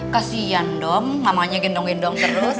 kasian dong namanya gendong gendong terus